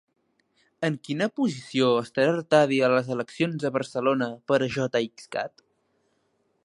En quina posició estarà Artadi a les eleccions de Barcelona per a JxCat?